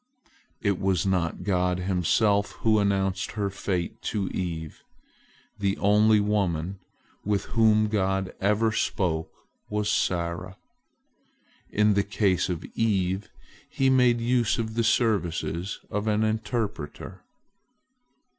It was not God Himself who announced her fate to Eve. The only woman with whom God ever spoke was Sarah. In the case of Eve, He made use of the services of an interpreter.